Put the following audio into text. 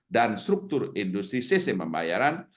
dan struktur industri sistem pembayaran